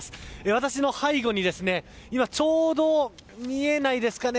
私の背後に今、ちょうど見えないですかね